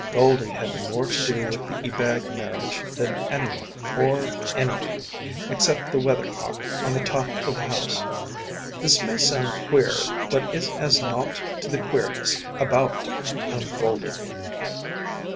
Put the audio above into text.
Goldie had more to do with the Ebag marriage than anyone or anything, except the weathercock on the top of the house. This may sound queer, but is as naught to the queerness about to be unfolded.